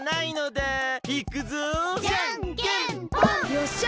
よっしゃ！